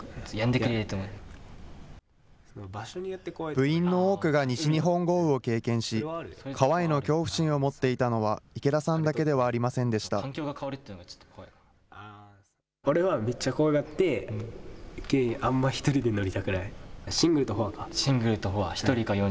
部員の多くが西日本豪雨を経験し、川への恐怖心を持っていたのは、池田さんだけではありませんでした。同じ思いの仲間がいるから、前に進むことができる。